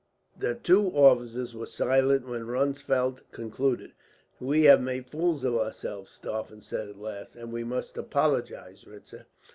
The two officers were silent when Ronsfeldt concluded. "We have made fools of ourselves," Stauffen said at last, "and we must apologize, Ritzer."